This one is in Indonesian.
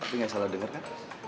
tapi gak salah denger kan